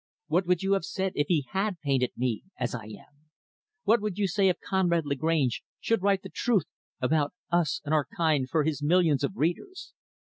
What would you have said if he had painted me as I am? What would you say if Conrad Lagrange should write the truth about us and our kind, for his millions of readers?